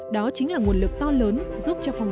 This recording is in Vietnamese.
đó chính là nguồn lực to lớn giúp cho phòng